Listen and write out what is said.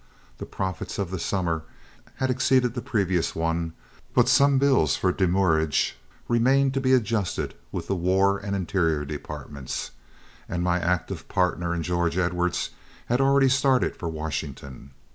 The profits of the summer had exceeded the previous one, but some bills for demurrage remained to be adjusted with the War and Interior departments, and my active partner and George Edwards had already started for Washington.